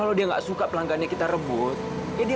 jadi ngapain malem malem begini